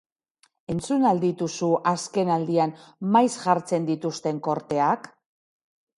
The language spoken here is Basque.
Entzun al dituzu azken aldian maiz jartzen dituzten korteak?